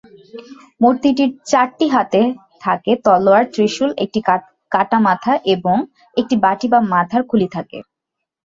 মূর্তিটির চারটি হাতে থাকে তলোয়ার, ত্রিশূল, একটি কাটা মাথা এবং একটি বাটি বা মাথার খুলি থাকে।